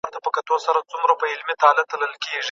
څنګه مثبت باورونه زموږ د ژوند مسیر په سمه توګه ټاکي؟